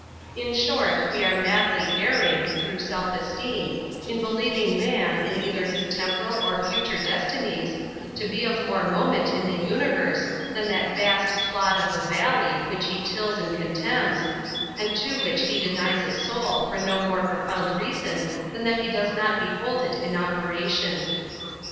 In short, we are madly erring, through self esteem, in believing man, in either his temporal or future destinies, to be of more moment in the universe than that vast "clod of the valley" which he tills and contemns, and to which he denies a soul for no more profound reason than that he does not behold it in operation.